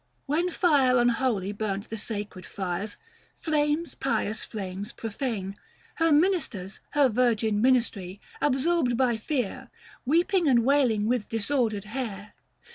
520 When fire unholy burnt the sacred fires, — Flames pious flames profane — her ministers, Her virgin ministry, absorbed by fear, Weeping and wailing with disordered hair.